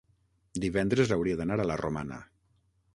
Divendres hauria d'anar a la Romana.